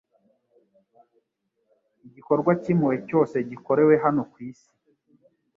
Igikorwa cy'impuhwe cyose gikorewe hano ku isi,